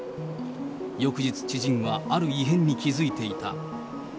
翌日、知人はある異変に気付いていた。